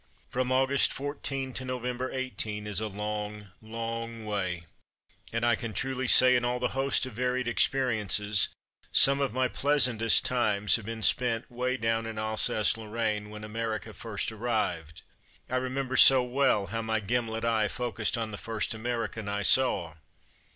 From August, '14, to November, '18, is a long, long way, and I can truly say in all the host of varied experiences, some of my pleasantest times have been spent way down in Alsace Lorraine when America first arrived. I remember so well how my gimlet eye focussed on the first American I saw!